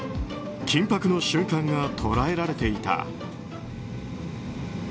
緊迫の瞬間が捉えられていた。